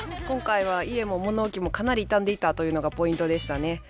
今回は家も物置もかなり傷んでいたというのがポイントでしたね。